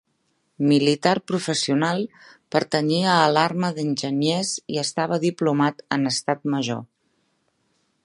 Militar professional, pertanyia a l'arma d'enginyers i estava diplomat en Estat Major.